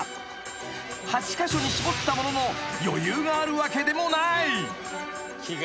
［８カ所に絞ったものの余裕があるわけでもない］